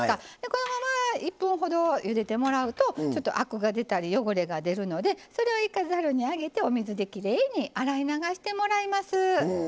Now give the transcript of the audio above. このまま１分ほどゆでてもらうとちょっとアクが出たり汚れが出るのでそれを一回ざるに上げてお水できれいに洗い流してもらいます。